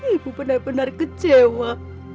ibu benar benar kecewa